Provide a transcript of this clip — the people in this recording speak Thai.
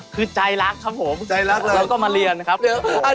คือใจรักครับผมแล้วก็มาเรียนครับ